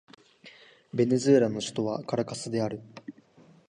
ベネズエラの首都はカラカスである